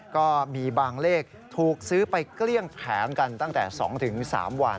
ก็มีบางเลขถูกซื้อไปเกลี้ยงแผงกันตั้งแต่๒๓วัน